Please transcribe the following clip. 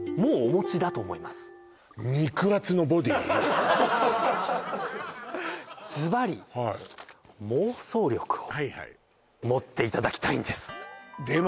アハハずばり妄想力を持っていただきたいんですでも